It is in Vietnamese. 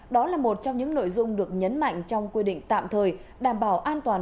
đó là một trong những nội dung được nhấn mạnh trong quy định tạm thời đảm bảo an toàn